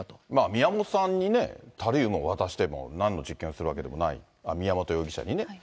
宮本さんにタリウムを渡しても、なんの実験をするわけでもない、宮本容疑者にね。